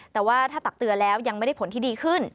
แต่ว่าถ้าตักเตือนแล้วยังไม่ได้ผลที่ดีขึ้น